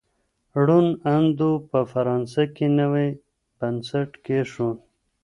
روڼ اندو په فرانسه کي نوی بنسټ کیښود.